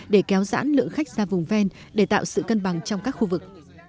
để kéo dãn lượng khách ra vùng ven để tạo sự cân bằng trong các khu vực